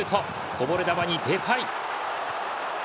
こぼれ球にデパイ！